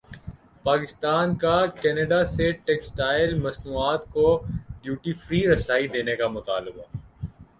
پاکستان کاکینیڈا سے ٹیکسٹائل مصنوعات کو ڈیوٹی فری رسائی دینے کامطالبہ